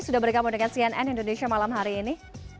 sudah bergabung dengan cnn indonesia malam hari ini